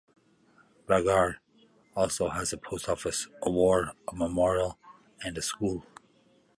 Bragar also has a post office, a war memorial, and a school.